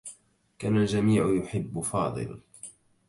كان الجميع يحبّ فاضل.